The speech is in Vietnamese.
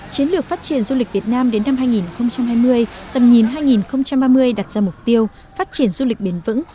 chiến lược phát triển du lịch việt nam đến năm hai nghìn hai mươi tầm nhìn hai nghìn ba mươi đặt ra mục tiêu phát triển du lịch bền vững